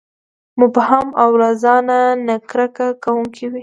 مبهم او له ځان نه کرکه کوونکي وي.